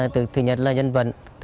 từ thứ nhất là nhân vật